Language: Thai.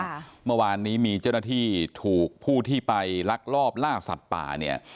เมื่อวานนี้มีเจ้าหน้าที่ถูกผู้ที่ไปลักลอบล่าสัตว์ป่าเนี่ย